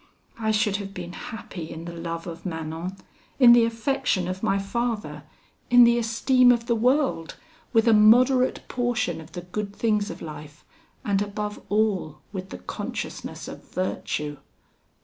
I should have been happy in the love of Manon, in the affection of my father, in the esteem of the world, with a moderate portion of the good things of life, and above all with the consciousness of virtue.